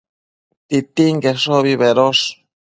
Titinqueshobi bedosh